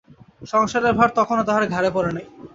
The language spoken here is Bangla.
সংসারের ভার তখনও তাহার ঘারে পড়ে নাই।